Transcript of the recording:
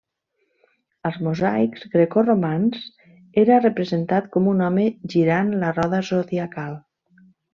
Als mosaics grecoromans era representat com un home girant la roda zodiacal.